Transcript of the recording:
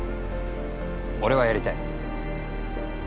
俺はやりたい。